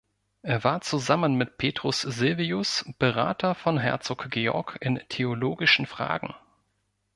Er war zusammen mit Petrus Sylvius Berater von Herzog Georg in theologischen Fragen.